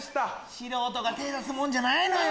素人が手出すもんじゃないのよ。